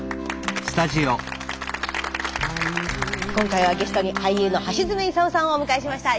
今回はゲストに俳優の橋爪功さんをお迎えしました。